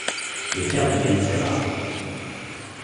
Les fermes deviennent très rares.